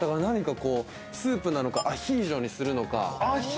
スープなのか、アヒージョにするのか。